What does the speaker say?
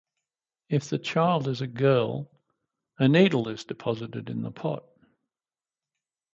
If the child is a girl, a needle is deposited in the pot.